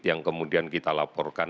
yang kemudian kita laporkan